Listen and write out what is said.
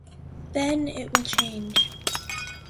Then it will change.